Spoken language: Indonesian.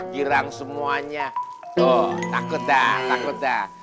jiran semuanya dua qeda takut dah